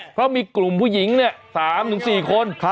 เพราะมีกลุ่มผู้หญิง๓๔คน